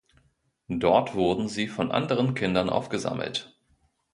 Dort wurden sie von anderen Kindern aufgesammelt.